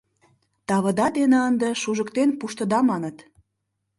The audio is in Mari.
Тавыда дене ынде шужыктен пуштыда, маныт.